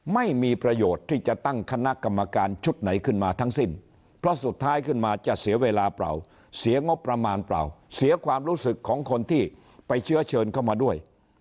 ไม่มีประโยชน์ที่จะตั้งคณะกรรมการชุดไหนขึ้นมาทั้งสิ้นเพราะสุดท้ายขึ้นมาจะเสียเวลาเปล่าเสียงบประมาณเปล่าเสียความรู้สึกของคนที่ไปเชื้อเชิญเข้ามาด้วย